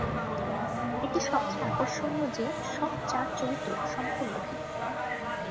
এটি সবচেয়ে আকর্ষণীয় যে সব চার চরিত্র সম্পূর্ণ ভিন্ন।